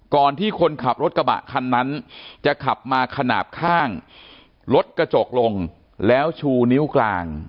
ที่คนขับรถกระบะคันนั้นจะขับมาขนาดข้างรถกระจกลงแล้วชูนิ้วกลาง